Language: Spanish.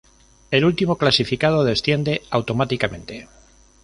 El último clasificado desciende automáticamente.